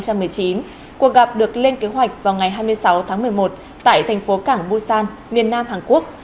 cuộc gặp được lên kế hoạch vào ngày hai mươi sáu tháng một mươi một tại thành phố cảng busan miền nam hàn quốc